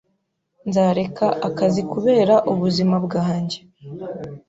Nzareka akazi kubera ubuzima bwanjye.